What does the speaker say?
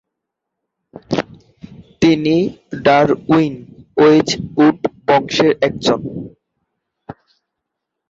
তিনি ডারউইন-ওয়েজউড বংশের একজন।